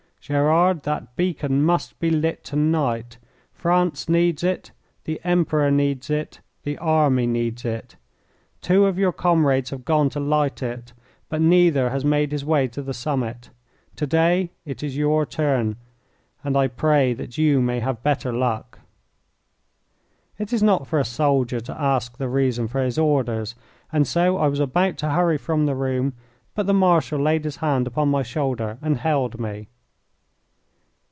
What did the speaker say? Gerard, that beacon must be lit to night. France needs it, the Emperor needs it, the army needs it. Two of your comrades have gone to light it, but neither has made his way to the summit. To day it is your turn, and I pray that you may have better luck." It is not for a soldier to ask the reason for his orders, and so I was about to hurry from the room, but the Marshal laid his hand upon my shoulder and held me.